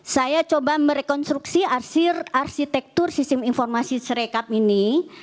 saya coba merekonstruksi arsitektur sistem informasi serekap ini